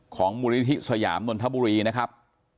ของมูลนิธิสยามนนทบุรีนะครับ